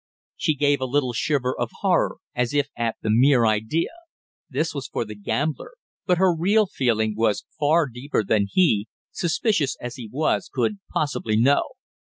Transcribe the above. She gave a little shiver of horror as if at the mere idea. This was for the gambler, but her real feeling was far deeper than he, suspicious as he was, could possibly know.